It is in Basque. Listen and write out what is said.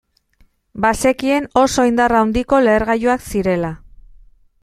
Bazekien oso indar handiko lehergailuak zirela.